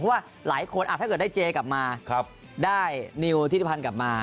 เพราะว่าหลายคนถ้าเกิดได้เจกลับมาได้นิวทิติพันธ์กลับมา